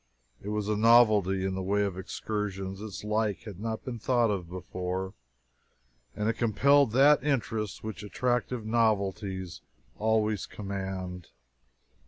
It was a novelty in the way of excursions its like had not been thought of before, and it compelled that interest which attractive novelties always command.